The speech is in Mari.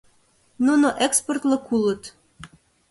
Нуно экспортлык улыт.